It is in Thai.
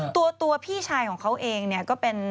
ตัวตัวพี่ชายของเขาเองก็เป็น